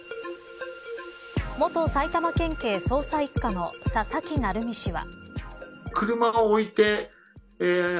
元埼玉県警捜査一課の佐々木成三氏は。